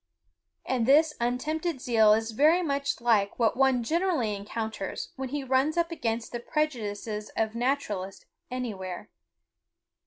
And this untempered zeal is very much like what one generally encounters when he runs up against the prejudices of naturalists anywhere.